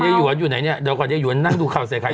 หยวนอยู่ไหนเนี่ยเดี๋ยวก่อนยายหวนนั่งดูข่าวใส่ไข่